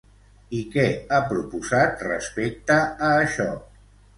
I què ha proposat respecte a això?